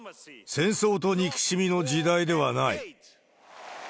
戦争と憎しみの時代ではない。